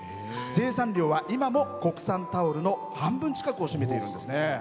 生産量は今も国産タオルの半分近くを占めているんですね。